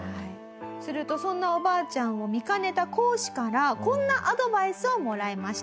するとそんなおばあちゃんを見かねた講師からこんなアドバイスをもらいました。